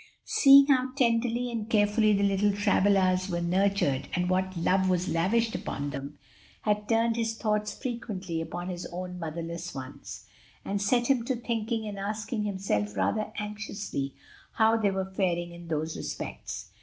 Seeing how tenderly and carefully the little Travillas were nurtured and what love was lavished upon them, had turned his thoughts frequently upon his own motherless ones, and set him to thinking and asking himself rather anxiously how they were faring in those respects.